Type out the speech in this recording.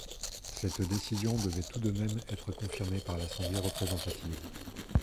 Cette décision devait tout de même être confirmée par l'assemblée représentative.